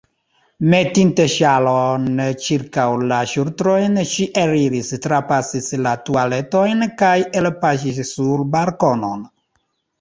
Metinte ŝalon ĉirkaŭ la ŝultrojn, ŝi eliris, trapasis la tualetejon kaj elpaŝis sur balkonon.